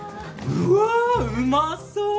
うわうまそう！